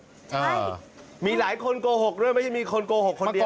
ใช่มีหลายคนโกหกด้วยไม่ใช่มีคนโกหกคนเดียว